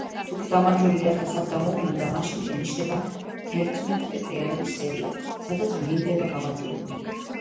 თუკი გამარჯვებული აქაც არ გამოვლინდა, მაშინ ინიშნება თერთმეტრიანების სერია, სადაც ვლინდება გამარჯვებული.